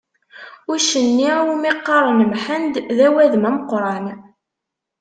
Uccen-nni iwmi qqaren Mḥend, d awadem ameqqran.